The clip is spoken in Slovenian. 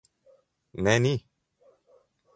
Ne, ni.